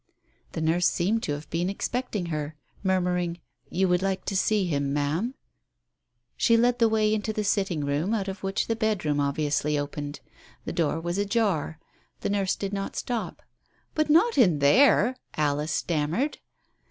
The nurse seemed to have been expecting her. Murmuring, "You would like to see him, Ma'am ?" she led the way into the sitting room, out of which the bedroom obviously opened. The door was ajar. The nurse did not stop. ... "But not in there !" Alice stammered.